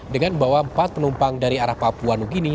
dengan bawa empat penumpang dari arah papua nugini